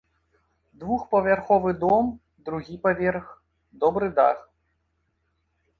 Двухпавярховы дом, другі паверх, добры дах.